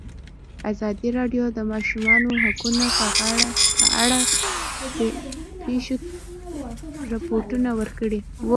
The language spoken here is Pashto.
ازادي راډیو د د ماشومانو حقونه په اړه د پېښو رپوټونه ورکړي.